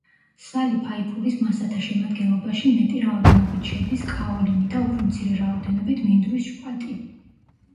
სალი ფაიფურის მასათა შემადგენლობაში მეტი რაოდენობით შედის კაოლინი და უფრო მცირე რაოდენობით მინდვრის შპატი.